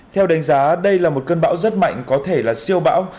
theo đánh giá đây là một cơn bão rất mạnh có thể là siêu bão